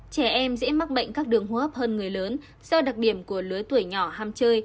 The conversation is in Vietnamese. trẻ em dễ mắc bệnh các đường hô hấp hơn người lớn do đặc điểm của lứa tuổi nhỏ ham chơi